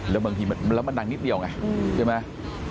แล้วมันจะดังนิดเดียวไงใช่ไหม